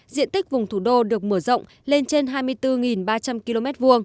diện tích vùng thủ đô được mở rộng lên trên hai mươi bốn ba trăm linh km hai